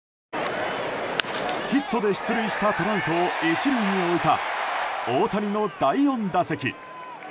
ヒットで出塁したトラウトを１塁に置いた大谷の第４打席。